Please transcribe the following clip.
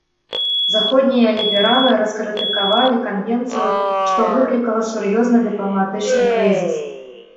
Заходнія лібералы раскрытыкавалі канвенцыю, што выклікала сур'ёзны дыпламатычны крызіс.